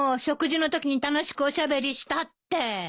食事のときに楽しくおしゃべりしたって。